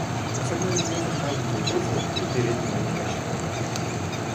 Особенно уязвимы маленькие дети и беременные женщины.